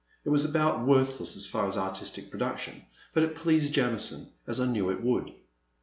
It was about worthless as an artistic production, but it pleased Jamison, as I knew it would.